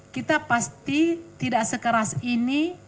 kita pasti tidak sekeras ini